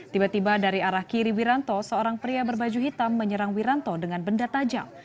tiba tiba dari arah kiri wiranto seorang pria berbaju hitam menyerang wiranto dengan benda tajam